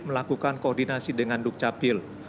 melakukan koordinasi dengan duk capil